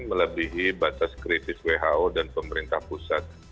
melebihi batas kritis who dan pemerintah pusat